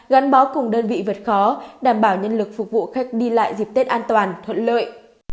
gắn bó cùng đơn vị vượt khó đảm bảo nhân lực phục vụ khách đi lại dịp tết an toàn thuận lợi